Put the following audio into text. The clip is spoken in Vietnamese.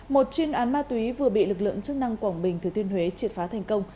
một chuyên án ma túy vừa bị lực lượng chức năng quảng bình thứ tuyên huế triệt phá thành công